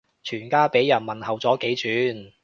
全家俾人問候咗幾轉